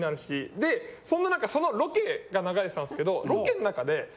でそんな中そのロケが流れてたんですけど。